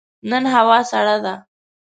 نن هوا سړه ده.